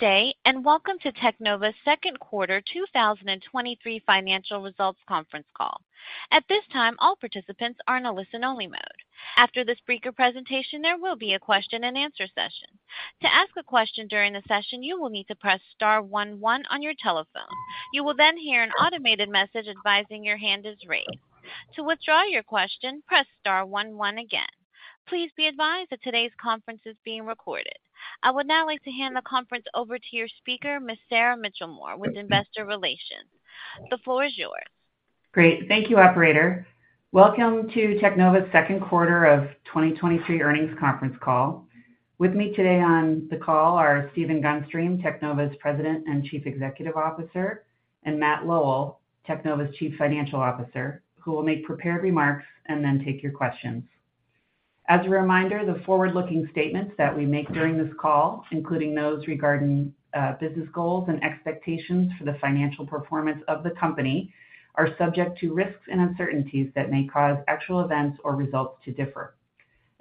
Good day, welcome to Teknova's second quarter 2023 financial results conference call. At this time, all participants are in a listen-only mode. After the speaker presentation, there will be a question and answer session. To ask a question during the session, you will need to press star one one on your telephone. You will hear an automated message advising your hand is raised. To withdraw your question, press star one one again. Please be advised that today's conference is being recorded. I would now like to hand the conference over to your speaker, Miss Sara Michelmore, with Investor Relations. The floor is yours. Great. Thank you, operator. Welcome to Teknova's second quarter of 2023 earnings conference call. With me today on the call are Stephen Gunstream, Teknova's President and Chief Executive Officer, and Matt Lowell, Teknova's Chief Financial Officer, who will make prepared remarks and then take your questions. As a reminder, the forward-looking statements that we make during this call, including those regarding business goals and expectations for the financial performance of the company, are subject to risks and uncertainties that may cause actual events or results to differ.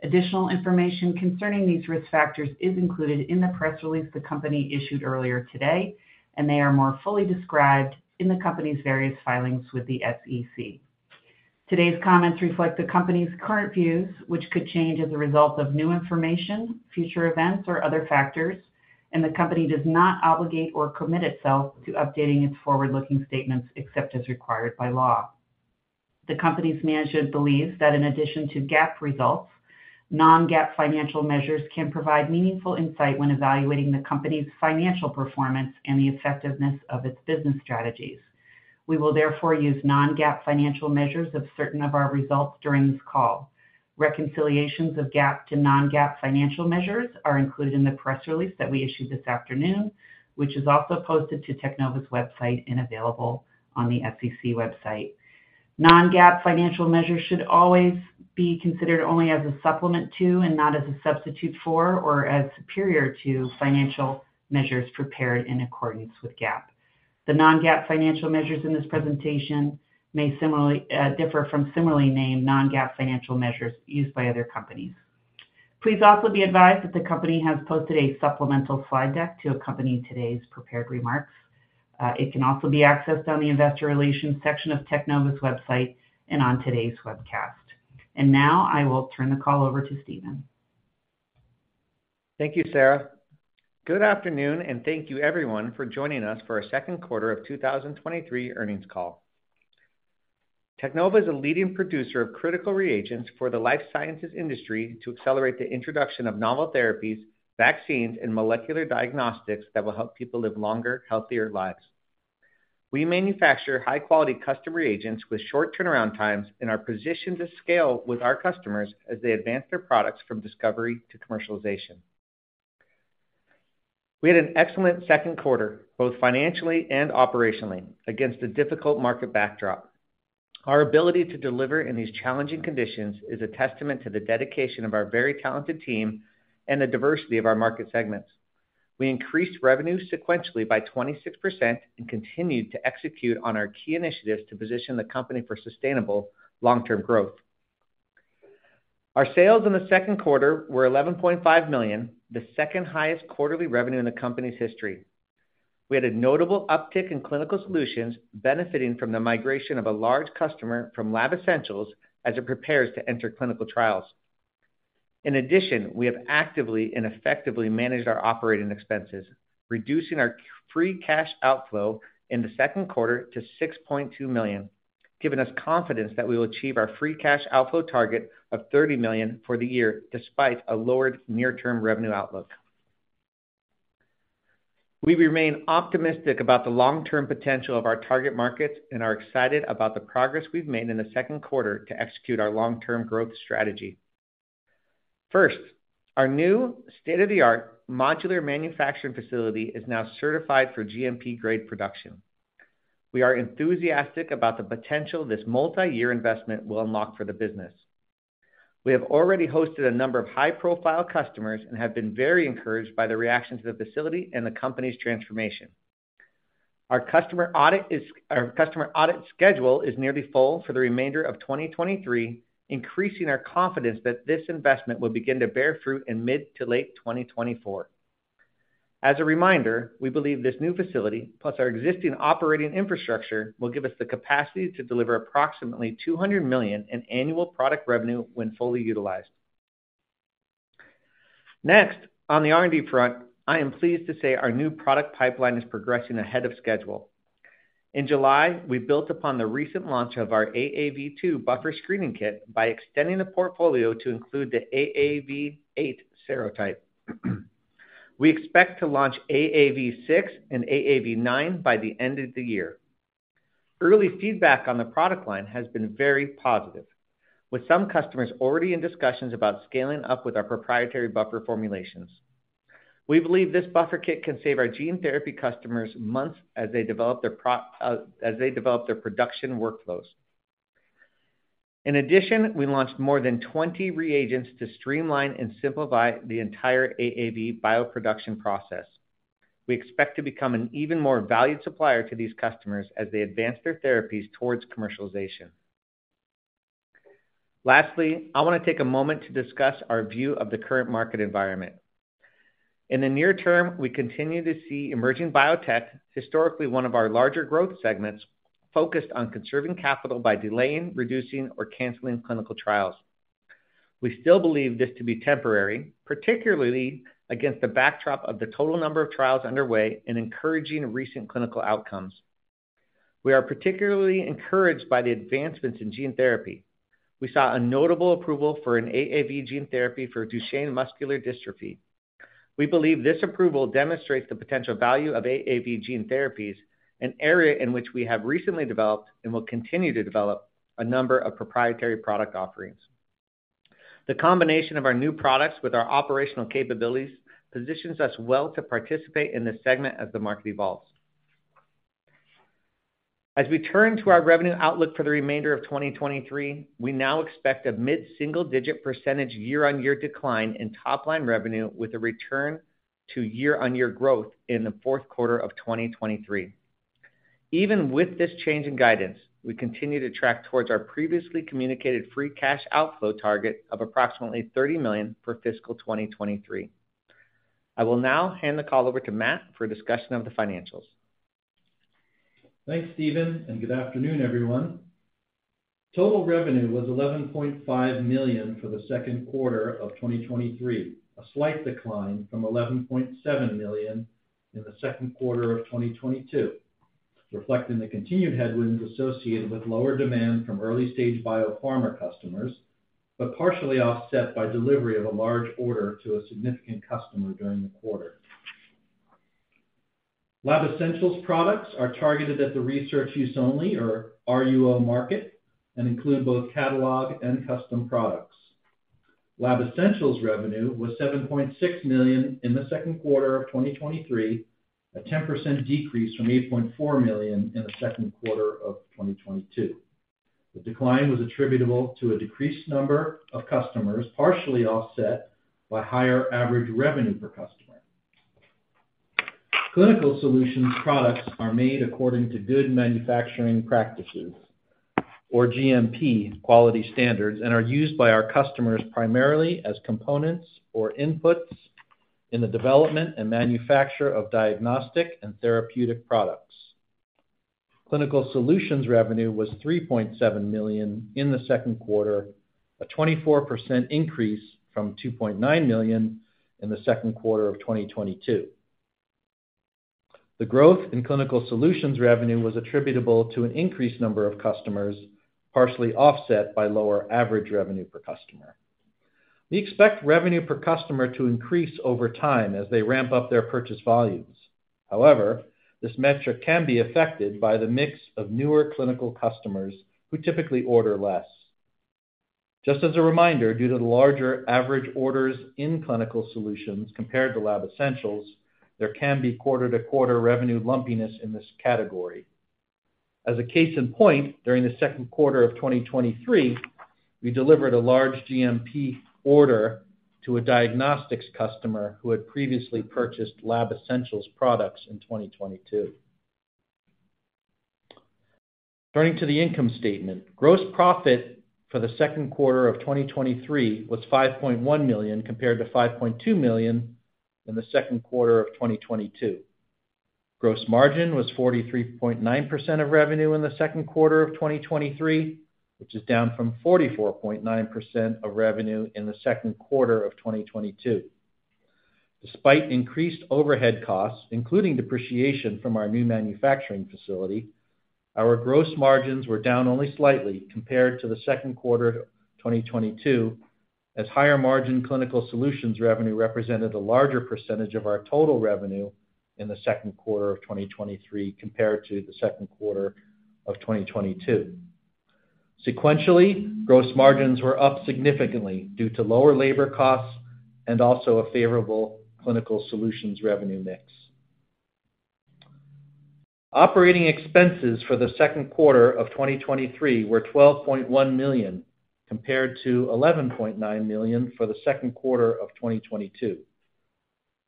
Additional information concerning these risk factors is included in the press release the company issued earlier today. They are more fully described in the company's various filings with the SEC. Today's comments reflect the company's current views, which could change as a result of new information, future events, or other factors, the company does not obligate or commit itself to updating its forward-looking statements except as required by law. The company's management believes that in addition to GAAP results, non-GAAP financial measures can provide meaningful insight when evaluating the company's financial performance and the effectiveness of its business strategies. We will therefore use non-GAAP financial measures of certain of our results during this call. Reconciliations of GAAP to non-GAAP financial measures are included in the press release that we issued this afternoon, which is also posted to Teknova's website and available on the SEC website. Non-GAAP financial measures should always be considered only as a supplement to, and not as a substitute for, or as superior to, financial measures prepared in accordance with GAAP. The non-GAAP financial measures in this presentation may similarly differ from similarly named non-GAAP financial measures used by other companies. Please also be advised that the company has posted a supplemental slide deck to accompany today's prepared remarks. It can also be accessed on the investor relations section of Teknova's website and on today's webcast. Now, I will turn the call over to Stephen. Thank you, Sarah. Good afternoon, thank you everyone for joining us for our second quarter of 2023 earnings call. Teknova is a leading producer of critical reagents for the life sciences industry to accelerate the introduction of novel therapies, vaccines, and molecular diagnostics that will help people live longer, healthier lives. We manufacture high-quality customer reagents with short turnaround times and are positioned to scale with our customers as they advance their products from discovery to commercialization. We had an excellent second quarter, both financially and operationally, against a difficult market backdrop. Our ability to deliver in these challenging conditions is a testament to the dedication of our very talented team and the diversity of our market segments. We increased revenue sequentially by 26% and continued to execute on our key initiatives to position the company for sustainable long-term growth. Our sales in the 2nd quarter were $11.5 million, the 2nd highest quarterly revenue in the company's history. We had a notable uptick in Clinical Solutions, benefiting from the migration of a large customer from Lab Essentials as it prepares to enter clinical trials. In addition, we have actively and effectively managed our operating expenses, reducing our free cash outflow in the 2nd quarter to $6.2 million, giving us confidence that we will achieve our free cash outflow target of $30 million for the year, despite a lowered near-term revenue outlook. We remain optimistic about the long-term potential of our target markets and are excited about the progress we've made in the 2nd quarter to execute our long-term growth strategy. First, our new state-of-the-art modular manufacturing facility is now certified for GMP grade production. We are enthusiastic about the potential this multiyear investment will unlock for the business. We have already hosted a number of high-profile customers and have been very encouraged by the reaction to the facility and the company's transformation. Our customer audit schedule is nearly full for the remainder of 2023, increasing our confidence that this investment will begin to bear fruit in mid to late 2024. As a reminder, we believe this new facility, plus our existing operating infrastructure, will give us the capacity to deliver approximately $200 million in annual product revenue when fully utilized. On the R&D front, I am pleased to say our new product pipeline is progressing ahead of schedule. In July, we built upon the recent launch of our AAV2 Buffer Screening Kit by extending the portfolio to include the AAV8 serotype. We expect to launch AAV6 and AAV9 by the end of the year. Early feedback on the product line has been very positive, with some customers already in discussions about scaling up with our proprietary buffer formulations. We believe this buffer kit can save our gene therapy customers months as they develop their production workflows. Addition, we launched more than 20 reagents to streamline and simplify the entire AAV bioproduction process. We expect to become an even more valued supplier to these customers as they advance their therapies towards commercialization. Lastly, I want to take a moment to discuss our view of the current market environment. In the near term, we continue to see emerging biotech, historically one of our larger growth segments, focused on conserving capital by delaying, reducing, or canceling clinical trials. We still believe this to be temporary, particularly against the backdrop of the total number of trials underway and encouraging recent clinical outcomes. We are particularly encouraged by the advancements in gene therapy. We saw a notable approval for an AAV gene therapy for Duchenne muscular dystrophy. We believe this approval demonstrates the potential value of AAV gene therapies, an area in which we have recently developed and will continue to develop a number of proprietary product offerings. The combination of our new products with our operational capabilities positions us well to participate in this segment as the market evolves. As we turn to our revenue outlook for the remainder of 2023, we now expect a mid-single-digit % year-on-year decline in top-line revenue, with a return to year-on-year growth in the fourth quarter of 2023. Even with this change in guidance, we continue to track towards our previously communicated free cash outflow target of approximately $30 million for fiscal 2023. I will now hand the call over to Matt for a discussion of the financials. Thanks, Stephen. Good afternoon, everyone. Total revenue was $11.5 million for the second quarter of 2023, a slight decline from $11.7 million in the second quarter of 2022, reflecting the continued headwinds associated with lower demand from early-stage biopharma customers, partially offset by delivery of a large order to a significant customer during the quarter. Lab Essentials products are targeted at the research use only, or RUO market, include both catalog and custom products. Lab Essentials revenue was $7.6 million in the second quarter of 2023, a 10% decrease from $8.4 million in the second quarter of 2022. The decline was attributable to a decreased number of customers, partially offset by higher average revenue per customer. Clinical Solutions products are made according to good manufacturing practices or GMP quality standards, and are used by our customers primarily as components or inputs in the development and manufacture of diagnostic and therapeutic products. Clinical Solutions revenue was $3.7 million in the second quarter, a 24% increase from $2.9 million in the second quarter of 2022. The growth in Clinical Solutions revenue was attributable to an increased number of customers, partially offset by lower average revenue per customer. We expect revenue per customer to increase over time as they ramp up their purchase volumes. However, this metric can be affected by the mix of newer clinical customers who typically order less. Just as a reminder, due to the larger average orders in Clinical Solutions compared to Lab Essentials, there can be quarter-to-quarter revenue lumpiness in this category. As a case in point, during the second quarter of 2023, we delivered a large GMP order to a diagnostics customer who had previously purchased Lab Essentials products in 2022. Turning to the income statement. Gross profit for the second quarter of 2023 was $5.1 million, compared to $5.2 million in the second quarter of 2022. Gross margin was 43.9% of revenue in the second quarter of 2023, which is down from 44.9% of revenue in the second quarter of 2022. Despite increased overhead costs, including depreciation from our new manufacturing facility, our gross margins were down only slightly compared to the second quarter of 2022, as higher-margin Clinical Solutions revenue represented a larger percentage of our total revenue in the second quarter of 2023 compared to the second quarter of 2022. Sequentially, gross margins were up significantly due to lower labor costs and also a favorable Clinical Solutions revenue mix. Operating expenses for the second quarter of 2023 were $12.1 million, compared to $11.9 million for the second quarter of 2022.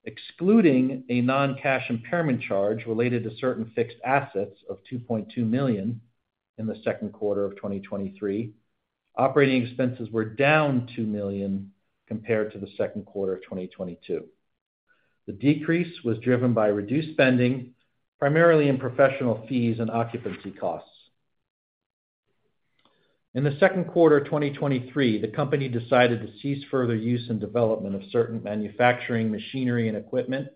Excluding a non-cash impairment charge related to certain fixed assets of $2.2 million in the second quarter of 2023, operating expenses were down $2 million compared to the second quarter of 2022. The decrease was driven by reduced spending, primarily in professional fees and occupancy costs. In the second quarter of 2023, the company decided to cease further use and development of certain manufacturing machinery and equipment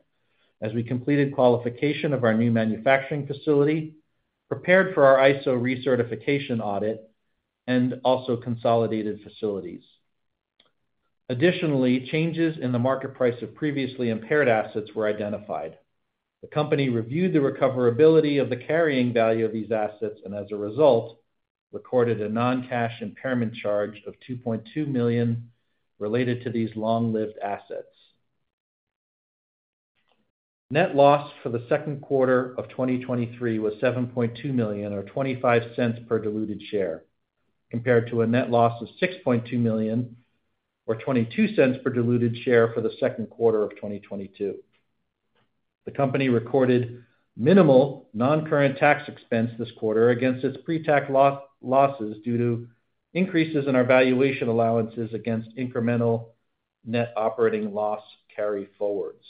as we completed qualification of our new manufacturing facility, prepared for our ISO recertification audit, and also consolidated facilities. Additionally, changes in the market price of previously impaired assets were identified. The company reviewed the recoverability of the carrying value of these assets and, as a result, recorded a non-cash impairment charge of $2.2 million related to these long-lived assets. Net loss for the second quarter of 2023 was $7.2 million, or $0.25 per diluted share, compared to a net loss of $6.2 million, or $0.22 per diluted share for the second quarter of 2022. The company recorded minimal non-current tax expense this quarter against its pre-tax loss, losses due to increases in our valuation allowances against incremental net operating loss carryforwards.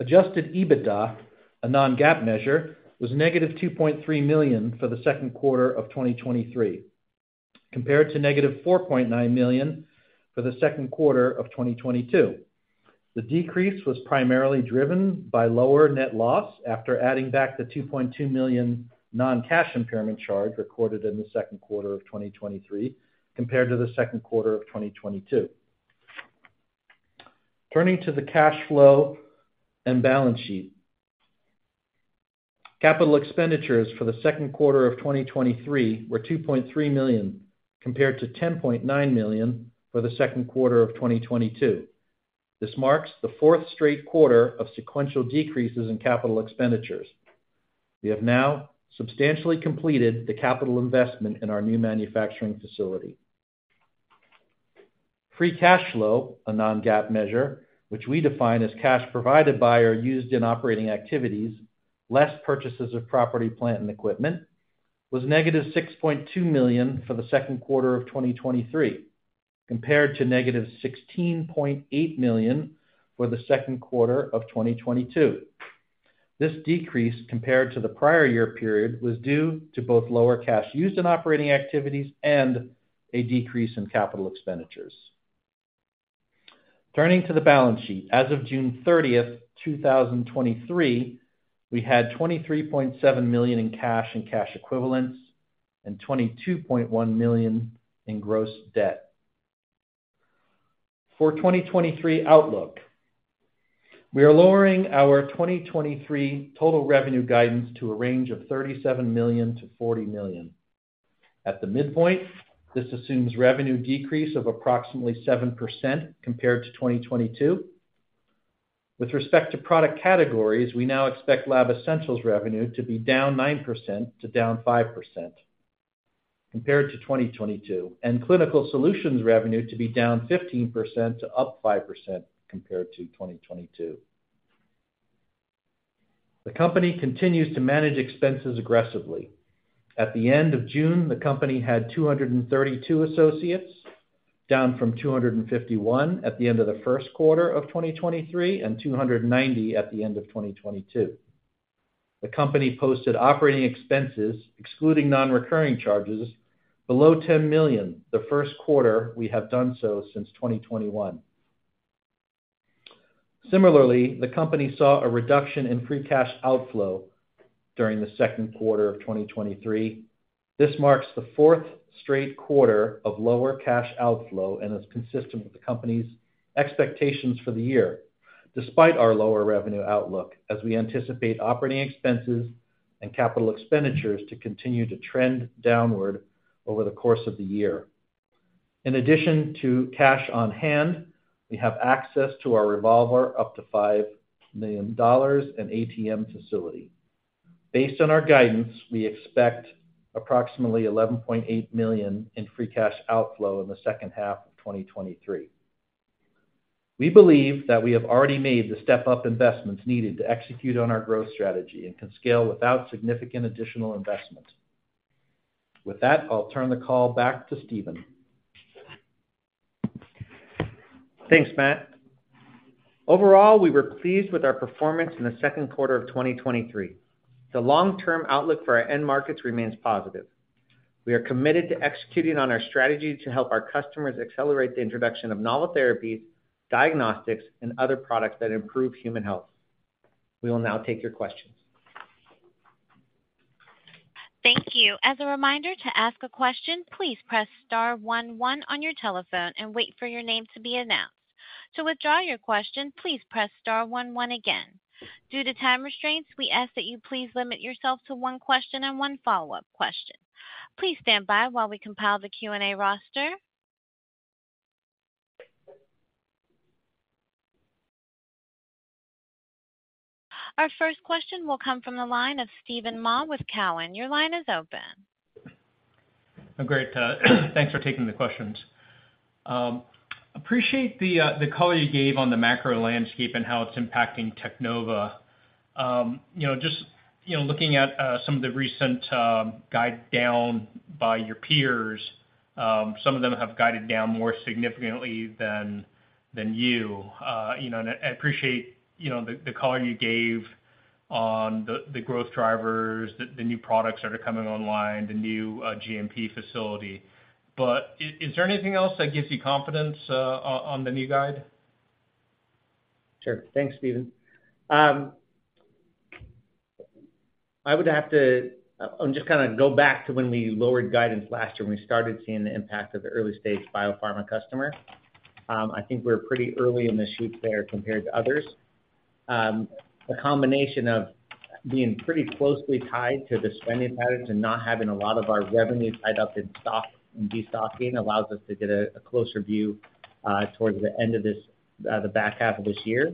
Adjusted EBITDA, a non-GAAP measure, was negative $2.3 million for the second quarter of 2023, compared to negative $4.9 million for the second quarter of 2022. The decrease was primarily driven by lower net loss after adding back the $2.2 million non-cash impairment charge recorded in the second quarter of 2023, compared to the second quarter of 2022. Turning to the cash flow and balance sheet. Capital expenditures for the second quarter of 2023 were $2.3 million, compared to $10.9 million for the second quarter of 2022. This marks the fourth straight quarter of sequential decreases in capital expenditures. We have now substantially completed the capital investment in our new manufacturing facility. Free cash flow, a non-GAAP measure, which we define as cash provided by or used in operating activities, less purchases of property, plant, and equipment, was negative $6.2 million for the second quarter of 2023, compared to negative $16.8 million for the second quarter of 2022. This decrease, compared to the prior year period, was due to both lower cash used in operating activities and a decrease in CapEx. Turning to the balance sheet. As of June 30th, 2023, we had $23.7 million in cash and cash equivalents and $22.1 million in gross debt. For 2023 outlook, we are lowering our 2023 total revenue guidance to a range of $37 million-$40 million. At the midpoint, this assumes revenue decrease of approximately 7% compared to 2022. With respect to product categories, we now expect Lab Essentials revenue to be down -9% to -5% compared to 2022, and Clinical Solutions revenue to be down -15% to +5% compared to 2022. The company continues to manage expenses aggressively. At the end of June, the company had 232 associates, down from 251 at the end of the first quarter of 2023 and 290 at the end of 2022. The company posted operating expenses, excluding non-recurring charges, below $10 million, the first quarter we have done so since 2021. Similarly, the company saw a reduction in free cash outflow during the second quarter of 2023. This marks the fourth straight quarter of lower cash outflow and is consistent with the company's expectations for the year, despite our lower revenue outlook, as we anticipate operating expenses and capital expenditures to continue to trend downward over the course of the year. In addition to cash on hand, we have access to our revolver, up to $5 million, and ATM facility. Based on our guidance, we expect approximately $11.8 million in free cash outflow in the second half of 2023. We believe that we have already made the step-up investments needed to execute on our growth strategy and can scale without significant additional investments. With that, I'll turn the call back to Stephen. Thanks, Matt. Overall, we were pleased with our performance in the second quarter of 2023. The long-term outlook for our end markets remains positive. We are committed to executing on our strategy to help our customers accelerate the introduction of novel therapies, diagnostics, and other products that improve human health. We will now take your questions. Thank you. As a reminder, to ask a question, please press star 1 1 on your telephone and wait for your name to be announced. To withdraw your question, please press star 1 1 again. Due to time restraints, we ask that you please limit yourself to one question and one follow-up question. Please stand by while we compile the Q&A roster. Our first question will come from the line of Stephen Ma with Cowen. Your line is open. Great, thanks for taking the questions. Appreciate the the color you gave on the macro landscape and how it's impacting Teknova. You know, just, you know, looking at some of the recent guide down by your peers, some of them have guided down more significantly than, than you. You know, and I appreciate, you know, the the color you gave on the the growth drivers, the the new products that are coming online, the new GMP facility. Is there anything else that gives you confidence on on the new guide? Sure. Thanks, Stephen. I would have to... I'll just kinda go back to when we lowered guidance last year, when we started seeing the impact of the early-stage biopharma customer. I think we're pretty early in the shoot there compared to others. A combination of being pretty closely tied to the spending patterns and not having a lot of our revenue tied up in stock and de-stocking allows us to get a, a closer view towards the end of this, the back half of this year.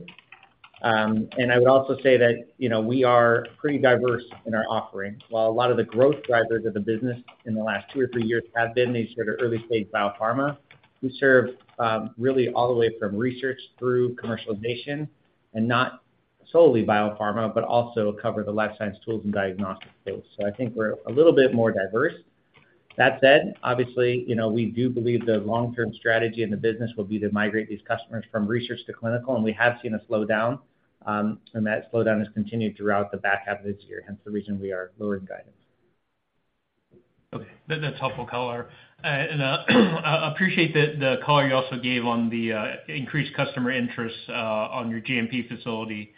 I would also say that, you know, we are pretty diverse in our offering. While a lot of the growth drivers of the business in the last two or three years have been these sort of early-stage biopharma, we serve, really all the way from research through commercialization, and not solely biopharma, but also cover the life science tools and diagnostic space. I think we're a little bit more diverse. That said, obviously, you know, we do believe the long-term strategy in the business will be to migrate these customers from research to clinical, and we have seen a slowdown, and that slowdown has continued throughout the back half of this year, hence the reason we are lowering guidance. Okay, that's helpful, Keller. I appreciate the color you also gave on the increased customer interest on your GMP facility.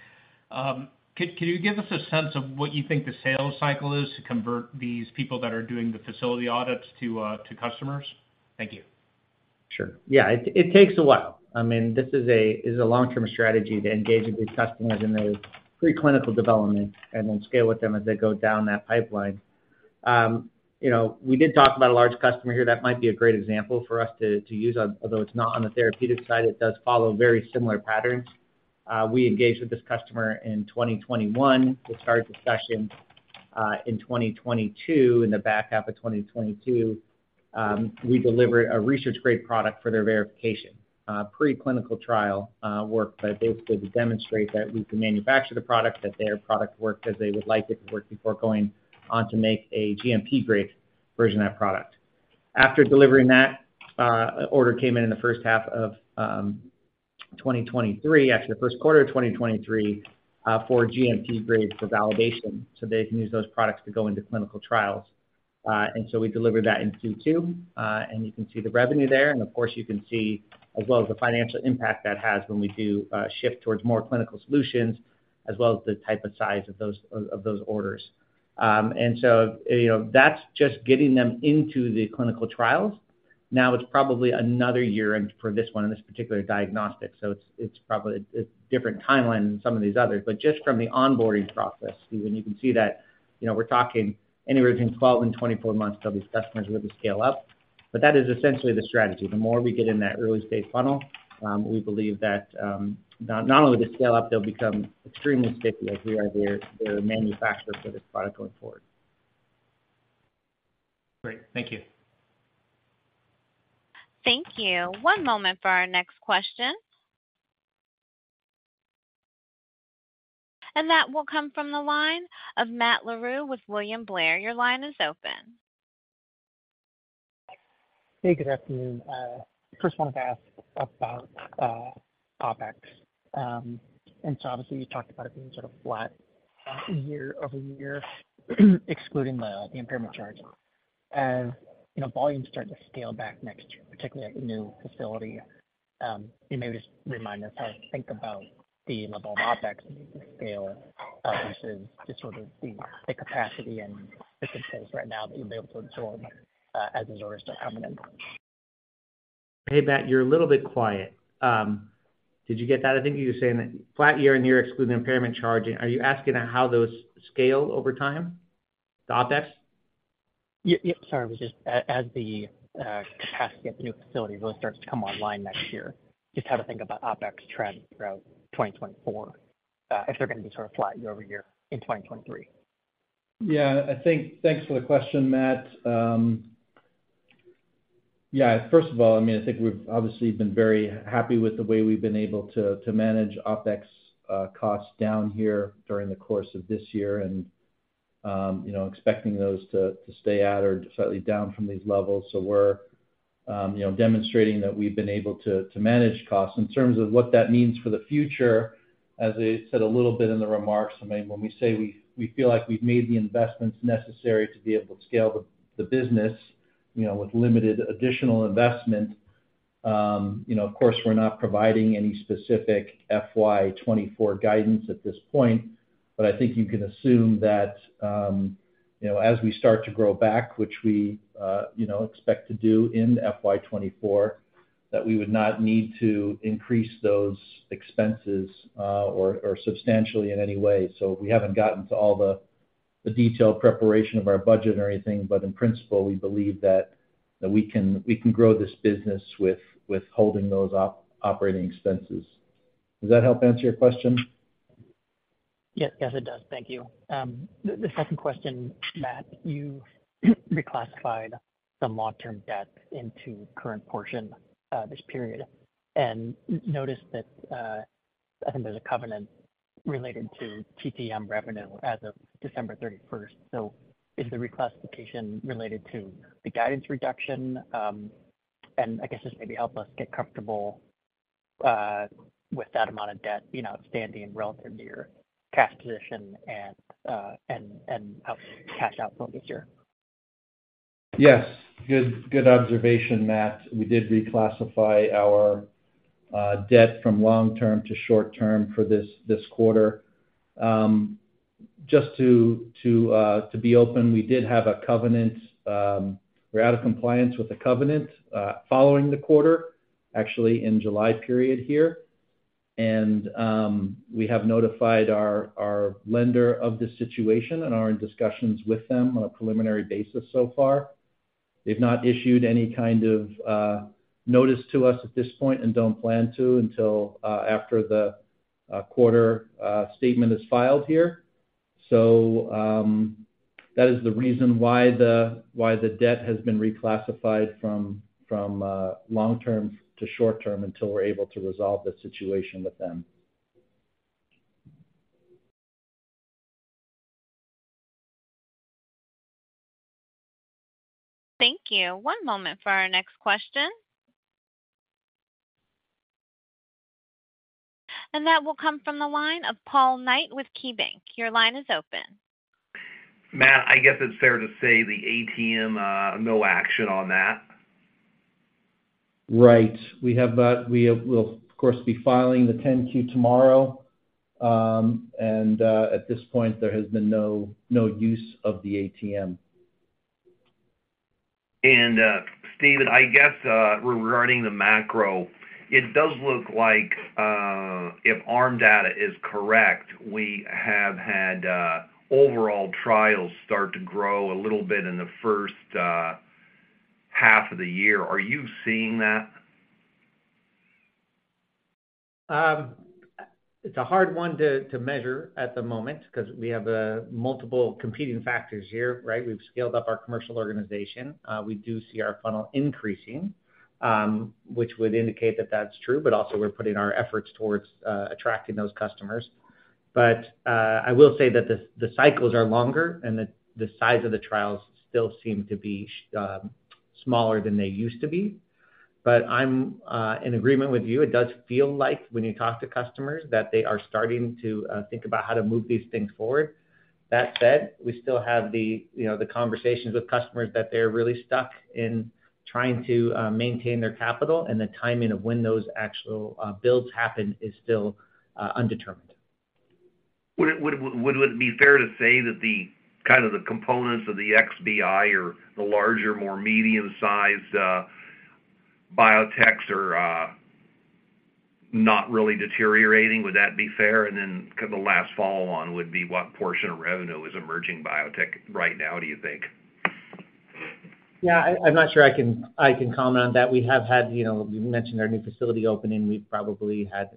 Can you give us a sense of what you think the sales cycle is to convert these people that are doing the facility audits to customers? Thank you. Sure. Yeah, it, it takes a while. I mean, this is a, is a long-term strategy to engage with these customers in the preclinical development and then scale with them as they go down that pipeline. You know, we did talk about a large customer here that might be a great example for us to, to use, although it's not on the therapeutic side, it does follow very similar patterns. We engaged with this customer in 2021 to start discussions, in 2022. In the back half of 2022, we delivered a research-grade product for their verification, preclinical trial, work, but basically to demonstrate that we can manufacture the product, that their product worked as they would like it to work before going on to make a GMP-grade version of that product. After delivering that, order came in in the first half of, 2023, actually the first quarter of 2023, for GMP grade for validation, so they can use those products to go into clinical trials. So we delivered that in Q2, and you can see the revenue there. Of course, you can see as well as the financial impact that has when we do, shift towards more Clinical Solutions, as well as the type of size of those, of, of those orders. So, you know, that's just getting them into the clinical trials. Now, it's probably another year, and for this one, in this particular diagnostic, so it's, it's probably a different timeline than some of these others. Just from the onboarding process, even you can see that, you know, we're talking anywhere between 12 and 24 months, they'll be customers with the scale-up. That is essentially the strategy. The more we get in that early-stage funnel, we believe that not, not only the scale up, they'll become extremely sticky as we are their, their manufacturer for this product going forward. Great. Thank you. Thank you. One moment for our next question. That will come from the line of Matt Larew with William Blair. Your line is open. Hey, good afternoon. First wanted to ask about OpEx. Obviously, you talked about it being sort of flat year-over-year, excluding the, the impairment charge. As, you know, volumes start to scale back next year, particularly at the new facility, can you maybe just remind us how to think about the level of OpEx scale versus just sort of the, the capacity and the business right now that you'll be able to absorb as orders start coming in? Hey, Matt, you're a little bit quiet. Did you get that? I think you were saying that flat year and year, excluding the impairment charge. Are you asking how those scale over time, the OpEx? Yeah, yeah, sorry. It was just as the capacity at the new facility really starts to come online next year, just how to think about OpEx trends throughout 2024, if they're gonna be sort of flat year-over-year in 2023. Yeah, I think. Thanks for the question, Matt. Yeah, first of all, I mean, I think we've obviously been very happy with the way we've been able to, to manage OpEx costs down here during the course of this year and, you know, expecting those to, to stay at or slightly down from these levels. We're, you know, demonstrating that we've been able to, to manage costs. In terms of what that means for the future, as I said a little bit in the remarks, I mean, when we say we, we feel like we've made the investments necessary to be able to scale the, the business, you know, with limited additional investment, you know, of course, we're not providing any specific FY 2024 guidance at this point, but I think you can assume that, you know, as we start to grow back, which we, you know, expect to do in FY 2024, that we would not need to increase those expenses, or, or substantially in any way. We haven't gotten to all the, the detailed preparation of our budget or anything, but in principle, we believe that, that we can, we can grow this business with, with holding those operating expenses. Does that help answer your question? Yes. Yes, it does. Thank you. The second question, Matt, you reclassified some long-term debt into current portion this period, and noticed that, I think there's a covenant related to TTM revenue as of December 31st. Is the reclassification related to the guidance reduction? I guess just maybe help us get comfortable with that amount of debt, you know, outstanding relative to your cash position and, and how cash outflow this year. Yes, good, good observation, Matt. We did reclassify our debt from long term to short term for this, this quarter. Just to be open, we did have a covenant. We're out of compliance with the covenant following the quarter, actually in July period here. We have notified our lender of this situation and are in discussions with them on a preliminary basis so far.... They've not issued any kind of notice to us at this point and don't plan to until after the quarter statement is filed here. That is the reason why the, why the debt has been reclassified from, from long term to short term, until we're able to resolve the situation with them. Thank you. One moment for our next question. That will come from the line of Paul Knight with KeyBanc. Your line is open. Matt, I guess it's fair to say the ATM, no action on that? Right. We have, we, we'll, of course, be filing the Form 10-Q tomorrow. At this point, there has been no, no use of the ATM. Stephen, I guess, regarding the macro, it does look like, if arm data is correct, we have had, overall trials start to grow a little bit in the first half of the year. Are you seeing that? It's a hard one to, to measure at the moment because we have multiple competing factors here, right? We've scaled up our commercial organization. We do see our funnel increasing, which would indicate that that's true, but also we're putting our efforts towards attracting those customers. I will say that the, the cycles are longer and that the size of the trials still seem to be smaller than they used to be. I'm in agreement with you. It does feel like when you talk to customers, that they are starting to think about how to move these things forward. That said, we still have the, you know, the conversations with customers that they're really stuck in trying to maintain their capital, and the timing of when those actual builds happen is still undetermined. Would it, would, would it be fair to say that the kind of the components of the XBI or the larger, more medium-sized, biotechs are not really deteriorating? Would that be fair? Then the last follow-on would be, what portion of revenue is emerging biotech right now, do you think? Yeah, I, I'm not sure I can, I can comment on that. We have had, you know, we mentioned our new facility opening. We've probably had,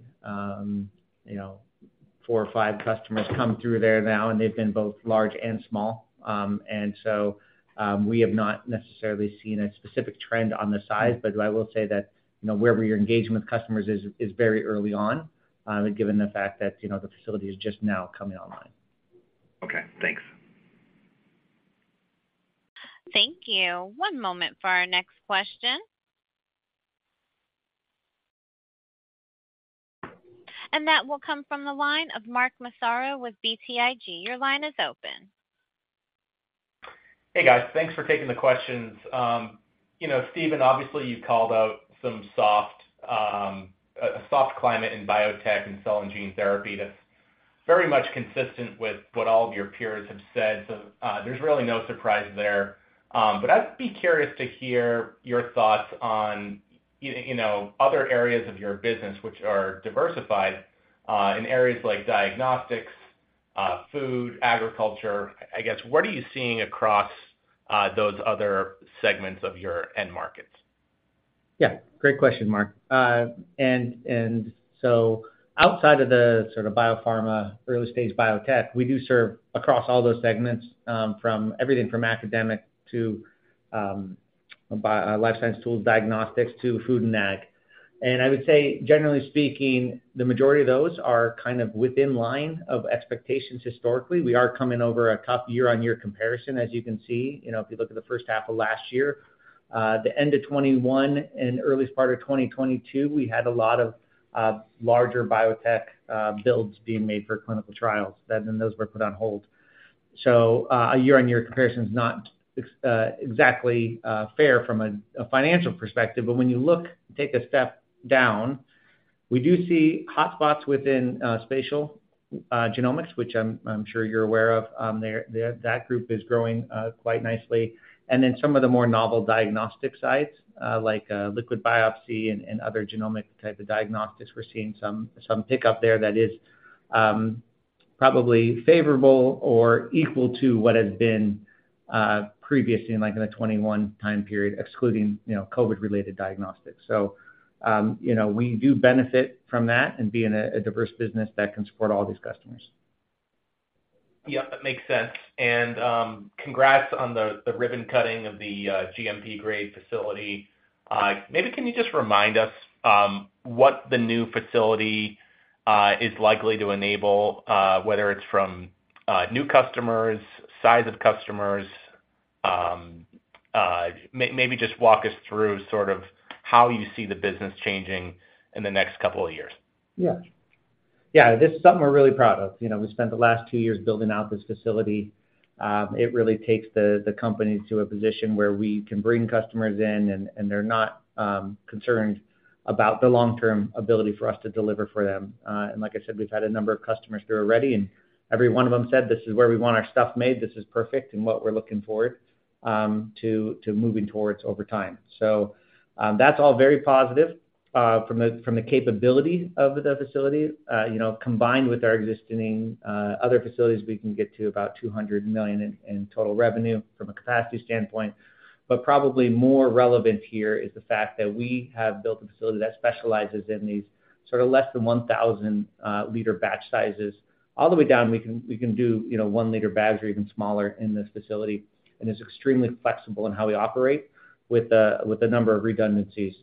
you know, 4 or 5 customers come through there now, and they've been both large and small. So, we have not necessarily seen a specific trend on the size, but I will say that, you know, wherever you're engaging with customers is, is very early on, given the fact that, you know, the facility is just now coming online. Okay, thanks. Thank you. One moment for our next question. That will come from the line of Mark Massaro with BTIG. Your line is open. Hey, guys. Thanks for taking the questions. you know, Stephen, obviously you called out some soft, a soft climate in biotech and cell and gene therapy. That's very much consistent with what all of your peers have said, so there's really no surprise there. I'd be curious to hear your thoughts on, you know, other areas of your business which are diversified, in areas like diagnostics, food, agriculture. I guess, what are you seeing across those other segments of your end markets? Yeah, great question, Mark. Outside of the sort of biopharma, early stage biotech, we do serve across all those segments, from everything from academic to life science tools, diagnostics, to food and ag. I would say, generally speaking, the majority of those are kind of within line of expectations historically. We are coming over a tough year-on-year comparison, as you can see, you know, if you look at the first half of last year. The end of 2021 and early part of 2022, we had a lot of larger biotech builds being made for clinical trials, then those were put on hold. A year-on-year comparison is not exactly fair from a financial perspective. When you look, take a step down, we do see hotspots within spatial genomics, which I'm sure you're aware of. There, that group is growing quite nicely. Then some of the more novel diagnostic sites, like liquid biopsy and other genomic type of diagnostics, we're seeing some pickup there that is probably favorable or equal to what has been previously in, like, the 21 time period, excluding, you know, COVID-related diagnostics. You know, we do benefit from that and being a diverse business that can support all these customers. Yeah, that makes sense. Congrats on the ribbon cutting of the GMP grade facility. Maybe can you just remind us what the new facility is likely to enable, whether it's from new customers, size of customers? Maybe just walk us through sort of how you see the business changing in the next couple of years. Yeah. Yeah, this is something we're really proud of. You know, we spent the last two years building out this facility. It really takes the, the company to a position where we can bring customers in, and, and they're not concerned about the long-term ability for us to deliver for them. And like I said, we've had a number of customers through already, and every one of them said, "This is where we want our stuff made. This is perfect and what we're looking forward to, to moving towards over time." That's all very positive. From the, from the capability of the facility, you know, combined with our existing, other facilities, we can get to about $200 million in, in total revenue from a capacity standpoint. Probably more relevant here is the fact that we have built a facility that specializes in these sort of less than 1,000 liter batch sizes. All the way down, we can, we can do, you know, 1 liter batch or even smaller in this facility, and it's extremely flexible in how we operate with the, with the number of redundancies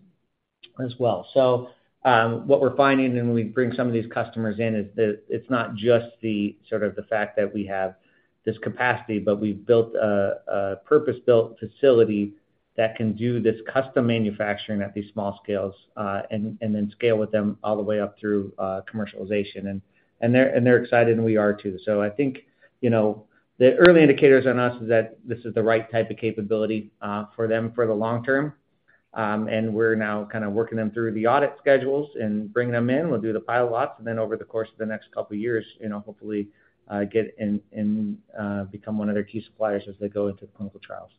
as well. What we're finding when we bring some of these customers in is that it's not just the sort of the fact that we have this capacity, but we've built a, a purpose-built facility that can do this custom manufacturing at these small scales and then scale with them all the way up through commercialization. They're, and they're excited, and we are too. I think, you know, the early indicators on us is that this is the right type of capability for them for the long term. We're now kind of working them through the audit schedules and bringing them in. We'll do the pilot lots, and then over the course of the next couple of years, you know, hopefully, get in and become one of their key suppliers as they go into clinical trials.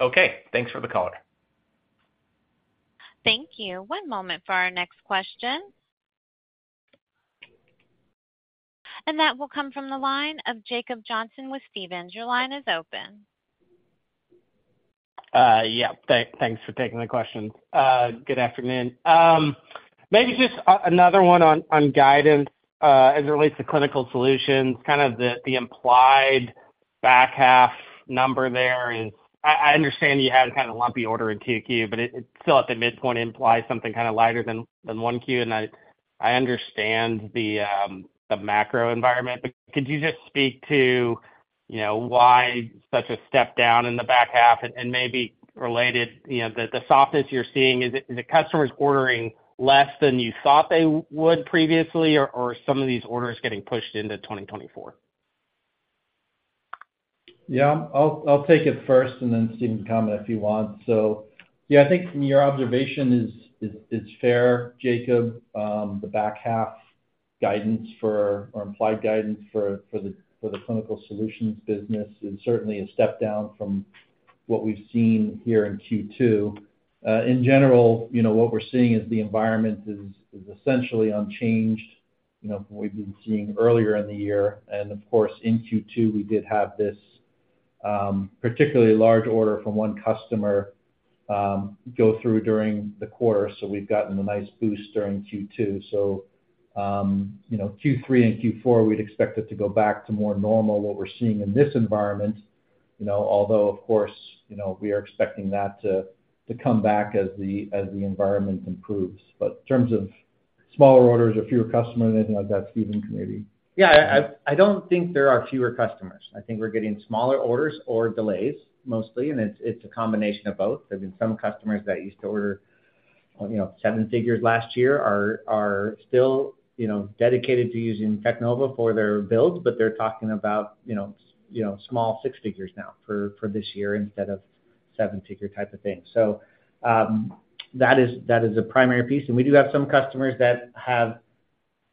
Okay, thanks for the color. Thank you. One moment for our next question. That will come from the line of Jacob Johnson with Stephens. Your line is open. Yeah, thank, thanks for taking the question. Good afternoon. Maybe just another one on, on guidance, as it relates to Clinical Solutions, kind of the, the implied back half number there. I, I understand you had kind of a lumpy order in Q2, but it, it's still at the midpoint, implies something kind of lighter than, than 1 Q. I, I understand the, the macro environment, but could you just speak to, you know, why such a step down in the back half? Maybe related, you know, the, the softness you're seeing, are the customers ordering less than you thought they would previously, or, or are some of these orders getting pushed into 2024? Yeah, I'll, I'll take it first, and then Stephen can comment if you want. Yeah, I think your observation is, is, is fair, Jacob. The back half guidance for, or implied guidance for, for the, for the Clinical Solutions business is certainly a step down from what we've seen here in Q2. In general, you know, what we're seeing is the environment is, is essentially unchanged, you know, from what we've been seeing earlier in the year. Of course, in Q2, we did have this particularly large order from 1 customer go through during the quarter, so we've gotten a nice boost during Q2. You know, Q3 and Q4, we'd expect it to go back to more normal, what we're seeing in this environment. You know, although, of course, you know, we are expecting that to, to come back as the, as the environment improves. In terms of smaller orders or fewer customers, anything like that, Stephen. Yeah. I, I, I don't think there are fewer customers. I think we're getting smaller orders or delays, mostly, and it's, it's a combination of both. There've been some customers that used to order, you know, 7 figures last year, are, are still, you know, dedicated to using Teknova for their builds, but they're talking about, you know, you know, small 6 figures now for, for this year instead of 7-figure type of thing. That is, that is a primary piece, and we do have some customers that have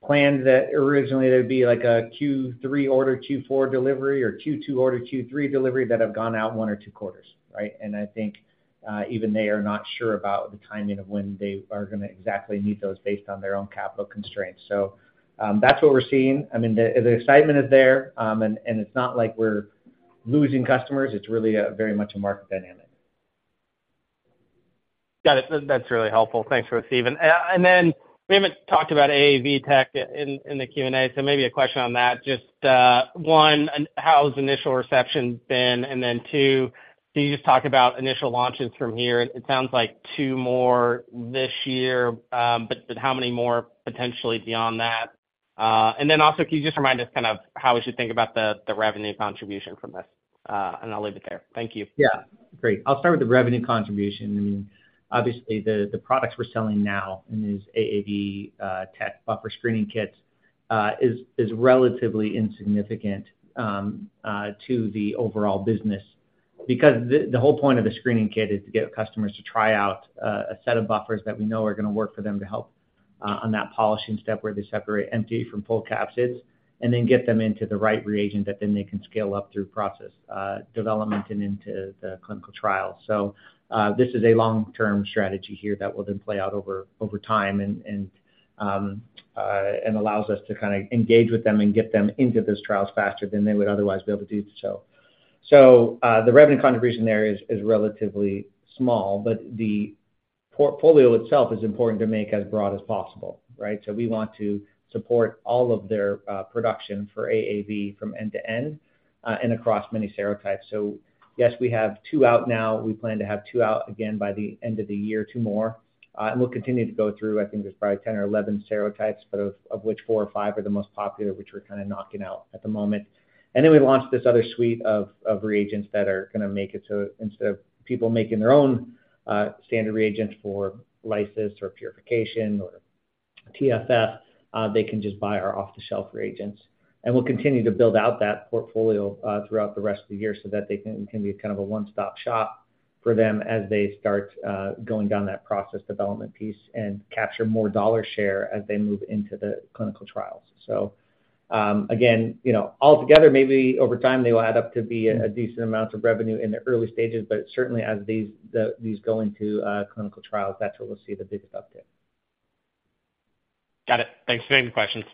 plans that originally there'd be like a Q3 order, Q4 delivery, or Q2 order, Q3 delivery, that have gone out one or two quarters? I think, even they are not sure about the timing of when they are gonna exactly meet those based on their own capital constraints. That's what we're seeing. I mean, the, the excitement is there, and, and it's not like we're losing customers. It's really, very much a market dynamic. Got it. That, that's really helpful. Thanks for receiving. Then we haven't talked about AAV-Tek in, in the Q&A, so maybe a question on that. Just 1, how has initial reception been? Then 2, can you just talk about initial launches from here? It sounds like 2 more this year, but, but how many more potentially beyond that? Then also, can you just remind us kind of how we should think about the, the revenue contribution from this? I'll leave it there. Thank you. Yeah, great. I'll start with the revenue contribution. I mean, obviously, the, the products we're selling now in these AAV-Tek buffer screening kits, is relatively insignificant, to the overall business. Because the, the whole point of the screening kit is to get customers to try out, a set of buffers that we know are gonna work for them to help, on that polishing step, where they separate empty from full capsids, and then get them into the right reagent that then they can scale up through process, development and into the clinical trial. This is a long-term strategy here that will then play out over, over time and, and, and allows us to kind of engage with them and get them into those trials faster than they would otherwise be able to do so. The revenue contribution there is, is relatively small, but the portfolio itself is important to make as broad as possible, right? We want to support all of their production for AAV from end to end and across many serotypes. Yes, we have 2 out now. We plan to have 2 out again by the end of the year, 2 more. We'll continue to go through, I think there's probably 10 or 11 serotypes, but of, of which 4 or 5 are the most popular, which we're kind of knocking out at the moment. We launched this other suite of, of reagents that are gonna make it so instead of people making their own standard reagents for lysis or purification or TFF, they can just buy our off-the-shelf reagents. We'll continue to build out that portfolio, throughout the rest of the year so that they can, can be kind of a one-stop shop for them as they start, going down that process development piece and capture more dollar share as they move into the clinical trials. Again, you know, altogether, maybe over time, they will add up to be a decent amount of revenue in the early stages, but certainly as these, these go into, clinical trials, that's where we'll see the biggest uptick. Got it. Thanks for taking the questions.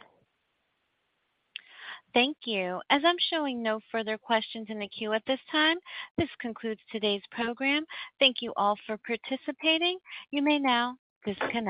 Thank you. As I'm showing no further questions in the queue at this time, this concludes today's program. Thank you all for participating. You may now disconnect.